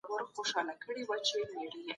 د پروګرامونو څارنه د برياليو سياستونو برخه ده.